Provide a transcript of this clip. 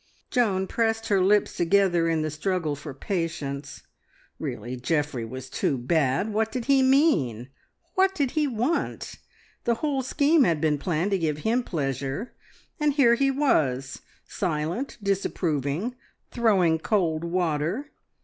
Joan pressed her lips together in the struggle for patience. Really Geoffrey was too bad! What did he mean? What did he want? The whole scheme had been planned to give him pleasure, and here he was, silent, disapproving, throwing cold water.